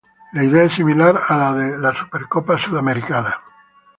La idea es similar a la de la Supercopa Sudamericana.